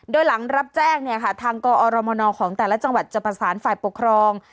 โดยหลังรับแจ้งเนี่ยค่ะทางกอรมนของแต่ละจังหวัดจะประสานฝ่ายปกครอง